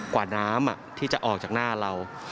กว่าน้ำที่จะออกจากหน้าเรา